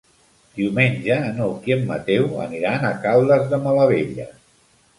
Diumenge n'Hug i en Mateu aniran a Caldes de Malavella.